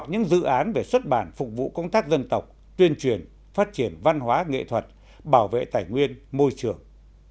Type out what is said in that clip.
những dự án về xuất bản phục vụ công tác dân tộc tuyên truyền phát triển văn hóa nghệ thuật bảo vệ tài nguyên môi trường